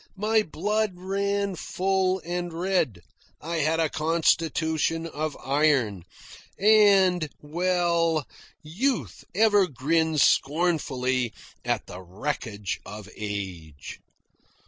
My blood ran full and red; I had a constitution of iron; and well, youth ever grins scornfully at the wreckage of age.